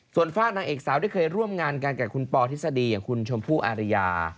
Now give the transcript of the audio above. ส่วนฝากนางเอกสาวได้เคยร่วมงานกันกับคุณปอทฤษฎีอย่างคุณชมพู่อารยา